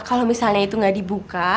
kalau misalnya itu nggak dibuka